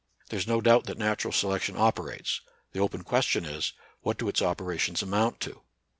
There is no doubt that natural selection oper ates ; the open question is, what do its opera tions amount to.